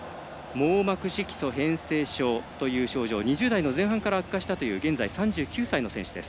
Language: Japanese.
網膜色素変性症という症状、２０代の前半から悪化したという３９歳の選手です。